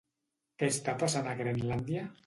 Què està passant a Grenlàndia?